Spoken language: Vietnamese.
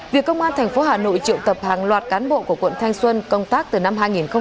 việc công an thành phố hà nội triệu tập hàng loạt cán bộ của quận thanh xuân công tác từ năm hai nghìn một mươi năm